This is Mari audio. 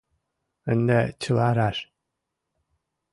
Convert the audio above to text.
Ынде чыла раш.